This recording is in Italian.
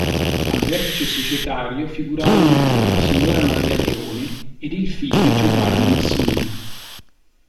Al vertice societario figuravano ancora la signora Maria Leone ed il figlio Giovanni Massimino.